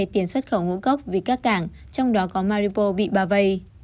tiền xuất khẩu ngũ cốc vì các cảng trong đó có maripos bị bà vây